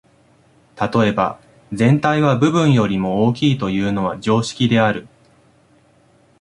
例えば、「全体は部分よりも大きい」というのは常識である。